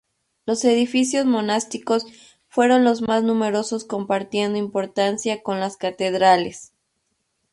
Los edificios monásticos fueron los más numerosos compartiendo importancia con las catedrales.